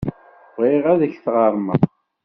Bɣiɣ ad ak-t-ɣermeɣ.